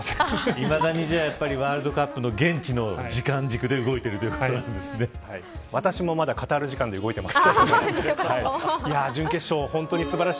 いまだにワールドカップの現地の時間軸で私もまだカタール時間で動いています。